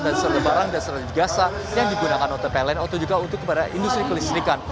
dan serta barang dan serta jasa yang digunakan oleh pln atau juga untuk industri kelistrikan